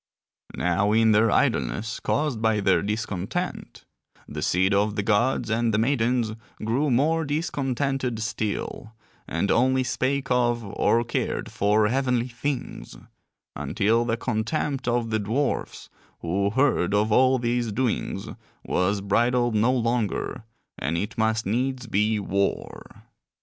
Now in their idleness caused by their discontent, the seed of the gods and the maidens grew more discontented still, and only spake of or cared for heavenly things; until the contempt of the dwarfs, who heard of all these doings, was bridled no longer and it must needs be war.